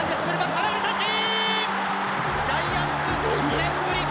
空振り三振！